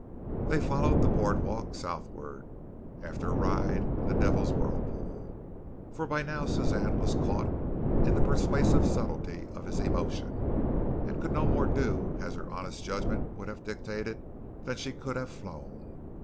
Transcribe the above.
They followed the boardwalk southward, after a ride in the Devil's Whirlpool, for by now Suzanne was caught in the persuasive subtlety of his emotion and could no more do as her honest judgment would have dictated than she could have flown.